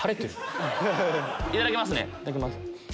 いただきますね。